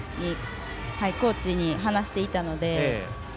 コーチに話していたので。